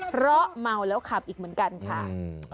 เพราะเมาแล้วขับอีกเหมือนกันค่ะ